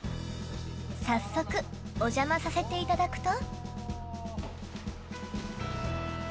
早速お邪魔させていただくと。